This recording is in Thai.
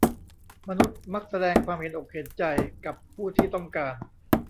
มนุษย์มักแสดงความเห็นอกเห็นใจกับผู้ที่ต้องการ